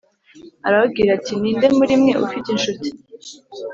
Arababwira ati: Ni nde muri mwe ufite inshuti,